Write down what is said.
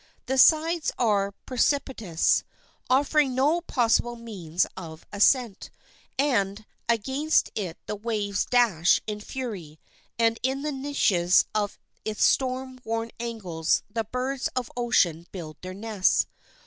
The sides are precipitous, offering no possible means of ascent, and against it the waves dash in fury, and in the niches of its storm worn angles the birds of ocean build their nests.